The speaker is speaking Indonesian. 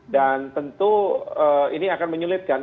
dan tentu ini akan menyulitkan